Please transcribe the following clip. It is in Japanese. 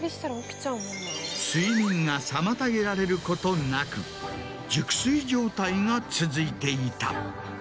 睡眠が妨げられることなく熟睡状態が続いていた。